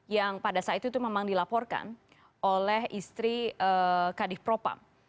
yang pada saat itu memang dilaporkan oleh istri kadif propam